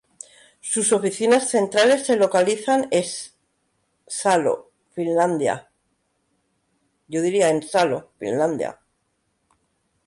Sus oficinas centrales se localizan es Salo, Finlandia.